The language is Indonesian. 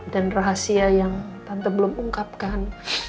dan rahasia yang tante belum ungkapkan